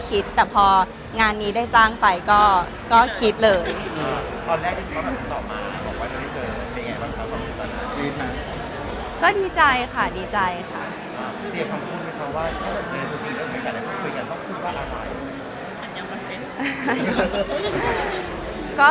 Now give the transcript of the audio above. คิดว่าเราจะได้เจอต้นฉบับตัวจริงไหม